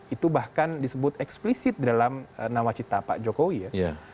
itu bahkan disebut eksplisit dalam nawacita pak jokowi ya